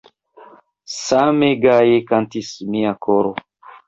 Same gaje kantas mia koro!